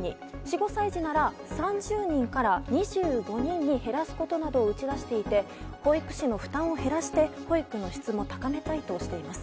４５歳児なら３０人から２５人に減らすことなどを打ち出していて保育士の負担を減らして保育の質も高めたいとしています。